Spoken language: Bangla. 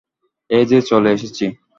এই যে চলে এসেছি।